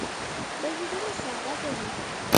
بهیرونه ساده ګڼي.